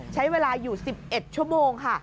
ใช้เวลาอยู่๑๑ชั่วโมงค่ะ